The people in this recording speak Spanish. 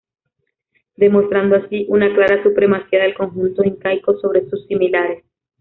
Demostrando así una clara supremacía del conjunto incaico sobre sus similares.